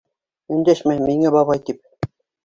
Өндәшмә миңә «бабай» тип!